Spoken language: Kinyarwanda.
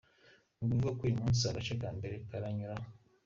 Ni ukuvuga ko uyu munsi agace ka mbere karanyuraho.